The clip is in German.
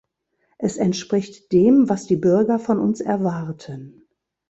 Es entspricht dem, was die Bürger von uns erwarten.